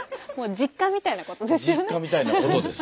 実家みたいなことです。